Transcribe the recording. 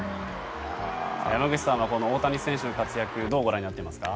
山口さんは大谷選手の活躍をどうご覧になっていますか？